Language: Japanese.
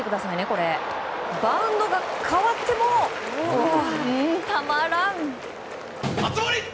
これバウンドが変わってもんたまらん！